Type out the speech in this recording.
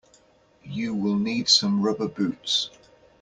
You will need some rubber boots.